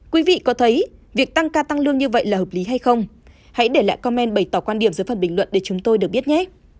quý vị có thấy việc tăng ca tăng lương như vậy là hợp lý hay không hãy để lại commen bày tỏ quan điểm dưới phần bình luận để chúng tôi được biết nhé